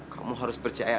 kamu harus percaya